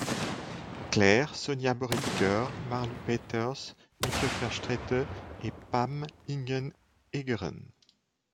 Clair, Sonja Boerrigter, Marlou Peters, Mieke Verstraete et Pam Ingenegeren.